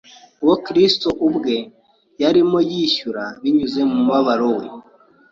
uwo Kristo ubwe yarimo yishyura binyuze mu mubabaro we